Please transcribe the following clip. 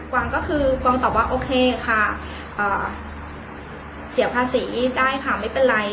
วางก็คือกองตอบว่าโอเคค่ะเสียภาษีได้ค่ะไม่เป็นไร